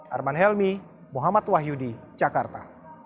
arman helmi muhammad wahyudi jakarta